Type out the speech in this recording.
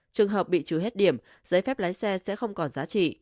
trường hợp bị trừ hết điểm giấy phép lái xe sẽ không còn giá trị